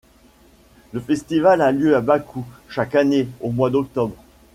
Le festival a lieu à Bakou, chaque année au mois d’octobre.